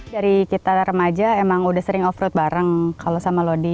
dari kita remaja emang udah sering off road bareng kalau sama lodi